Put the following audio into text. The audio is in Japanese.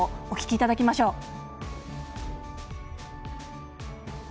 お聞きいただきましょう。